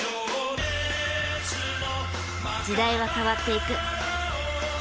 時代は変わっていく。